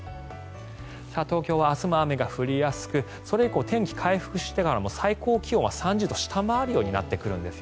東京は明日も雨が降りやすくそれ以降、天気は回復して最高気温は３０度を下回るようになります。